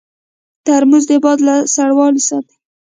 ترموز د باد له سړوالي ساتي.